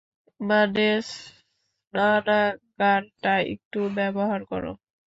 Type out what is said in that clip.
মানে, স্নানাগারটা একটু ব্যবহার করো।